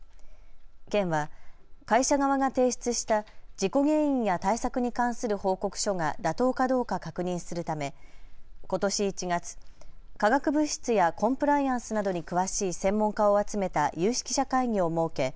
県は会社側が提出した事故原因や対策に関する報告書が妥当かどうか確認するためことし１月、化学物質やコンプライアンスなどに詳しい専門家を集めた有識者会議を設け